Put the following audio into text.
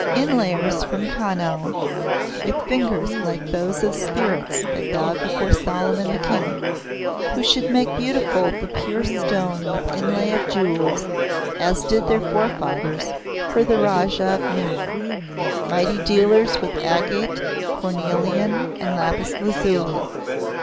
Inlayers from Kanauj, with fingers like those of the Spirits that bowed before Solomon the King, who should make beautiful the pure stone with inlay of jewels, as did their forefathers for the Rajah of Mewar; mighty dealers with agate, cornelian, and lapis lazuli.